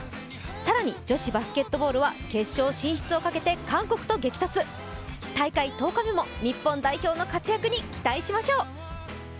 更に女子バスケットボールは決勝進出をかけて韓国と激突大会１０日目も日本代表の活躍に期待しましょう。